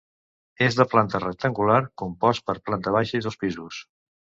És de planta rectangular, compost per planta baixa i dos pisos.